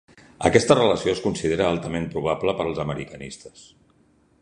Aquesta relació es considera altament probable pels americanistes.